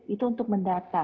itu untuk mendata